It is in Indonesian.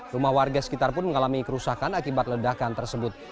rumah warga sekitar pun mengalami kerusakan akibat ledakan tersebut